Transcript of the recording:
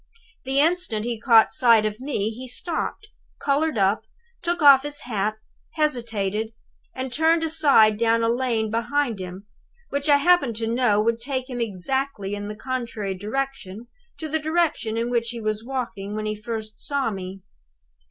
The instant he caught sight of me he stopped, colored up, took off his hat, hesitated, and turned aside down a lane behind him, which I happen to know would take him exactly in the contrary direction to the direction in which he was walking when he first saw me.